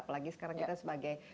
apalagi sekarang kita sebagai